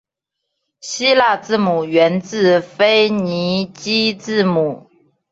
希腊字母源自腓尼基字母。